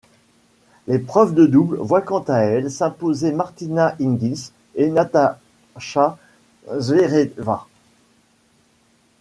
L'épreuve de double voit quant à elle s'imposer Martina Hingis et Natasha Zvereva.